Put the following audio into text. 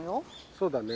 そうだね。